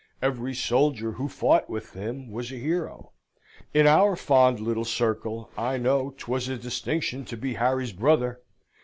Every soldier who fought with him was a hero. In our fond little circle I know 'twas a distinction to be Harry's brother.